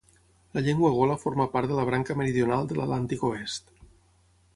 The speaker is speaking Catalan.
La llengua gola forma part de la branca meridional de l'Atlàntic Oest.